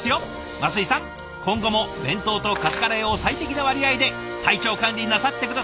升井さん今後も弁当とカツカレーを最適な割合で体調管理なさって下さい。